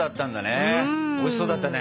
おいしそうだったね。